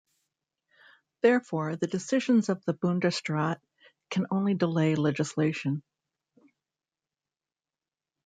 Therefore, the decisions of the "Bundesrat" can only delay legislation.